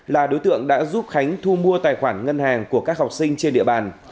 là đối tượng đã giúp khánh thu mua tài khoản ngân hàng của các học sinh trên địa bàn